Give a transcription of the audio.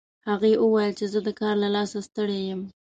هغې وویل چې زه د کار له لاسه ستړي یم